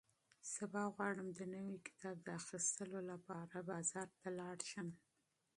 سبا غواړم د نوي کتاب د اخیستلو لپاره بازار ته لاړ شم.